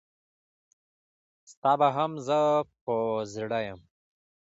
ستا به هم زه په زړه یم.